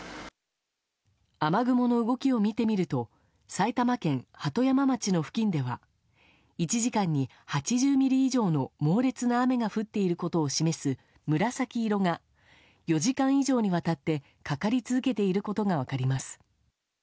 雨雲の動きを見てみると埼玉県鳩山町の付近では１時間に８０ミリ以上の猛烈な雨が降っていることを示す紫色が４時間以上にわたってかかり続けていることが分かります。